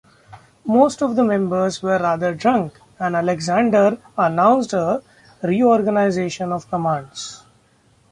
Most of the members were rather drunk, and Alexander announced a reorganization of commands.